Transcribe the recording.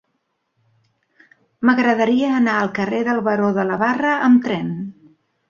M'agradaria anar al carrer del Baró de la Barre amb tren.